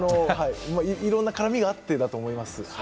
いろんな絡みがあってだと思います。